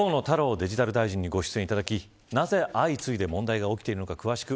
デジタル大臣にご出演いただきなぜ、相次いで問題が起きているのか、詳しく